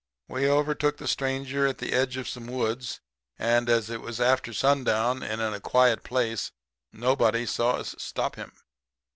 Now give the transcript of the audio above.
"We overtook the stranger in the edge of some woods, and, as it was after sun down and in a quiet place, nobody saw us stop him.